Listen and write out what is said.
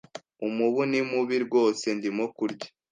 Umubu ni mubi rwose. Ndimo kurya.